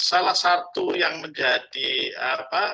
salah satu yang menjadi apa kemudian diskusi kami adalah terkait dengan